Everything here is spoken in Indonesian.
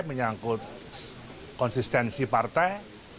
menyangkut konsistensi partai